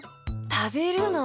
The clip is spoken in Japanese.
たべるの？